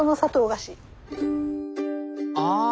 ああ！